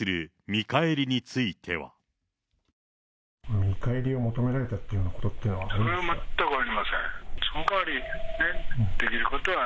見返りを求められたっていうようなことは？